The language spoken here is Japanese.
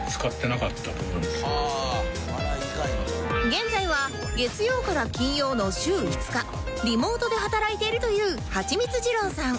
現在は月曜から金曜の週５日リモートで働いているというハチミツ二郎さん